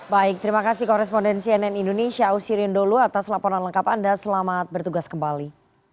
baik terima kasih koresponden cnn indonesia ausirion dholu atas laporan lengkap anda selamat bertugas kembali